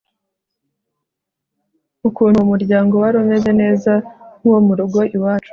ukuntu uwo muryango warumeze neza nkuwo murugo iwacu